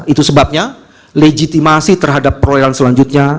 itu sebabnya legitimasi terhadap perolehan selanjutnya